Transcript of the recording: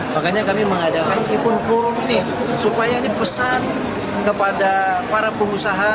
makanya kami mengadakan ipun forum ini supaya ini pesan kepada para pengusaha